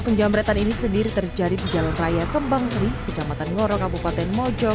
penjamretan ini sendiri terjadi di jalan raya kembang seri kecamatan ngoro kabupaten mojo